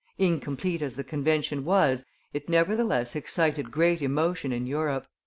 Incomplete as the convention was, it nevertheless excited great emotion in Europe.